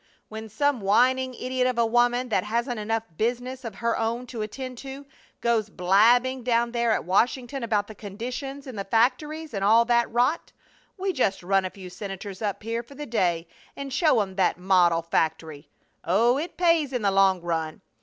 When some whining idiot of a woman, that hasn't enough business of her own to attend to, goes blabbing down there at Washington about the 'conditions' in the factories, and all that rot, we just run a few senators up here for the day and show 'em that model factory. Oh, it pays in the long run.